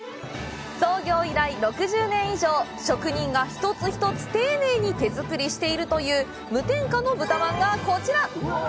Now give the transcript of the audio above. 創業以来６０年以上、職人が１つ１つ丁寧に手作りしているという無添加の豚まんが、こちら！